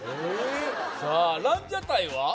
ランジャタイは？